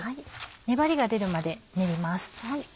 粘りが出るまで練ります。